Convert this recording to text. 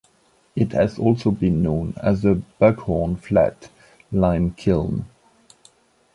It has also been known as the Buckhorn Flat Lime Kiln.